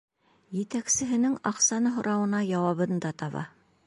Етәксеһенең аҡсаны һорауына яуабын да таба.